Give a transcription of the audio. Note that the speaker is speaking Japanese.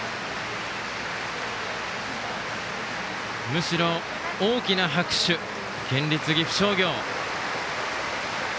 むしろ大きな拍手県立岐阜商業。